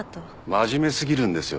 真面目過ぎるんですよ